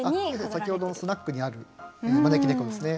先ほどのスナックにある招き猫ですね。